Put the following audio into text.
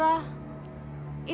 lah jangan ke youtube